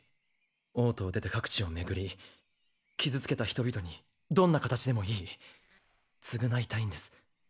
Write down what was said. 王都を出て各地を巡り傷つけた人々にどんなかたちでもいい償いたいんです。